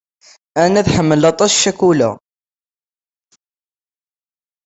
Ann tḥemmel aṭas ccakula.